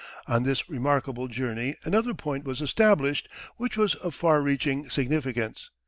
On this remarkable journey another point was established which was of far reaching significance.